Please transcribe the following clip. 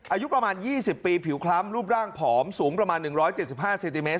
อายุประมาณ๒๐ปีผิวคล้ำรูปร่างผอมสูงประมาณ๑๗๕เซนติเมต